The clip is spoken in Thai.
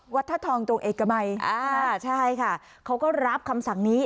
ท่าทองตรงเอกมัยอ่าใช่ค่ะเขาก็รับคำสั่งนี้